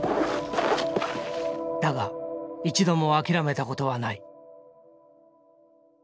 だが一度も諦めたことはない。